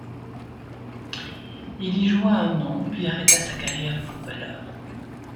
Il y joua un an puis arrêta sa carrière de footballeur.